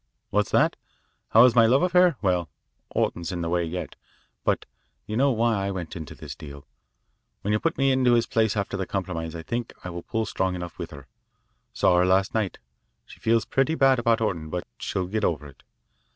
What's that? How is my love affair? Well, Orton's in the way yet, but you know why I went into this deal. When you put me into his place after the compromise, I think I will pull strong with her. Saw her last night. She feels pretty bad about Orton, but she'll get over it.